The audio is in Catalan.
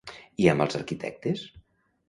I amb els arquitectes?